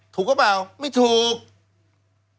ถูกหรือเปล่าไม่ถูก